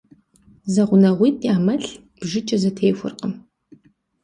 Зэгъунэгъуитӏ я мэл бжыкӏэ зэтехуэркъым.